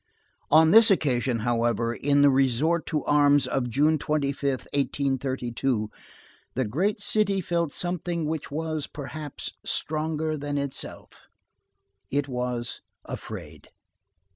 On this occasion, however, in the resort to arms of June 5th, 1832, the great city felt something which was, perhaps, stronger than itself. It was afraid.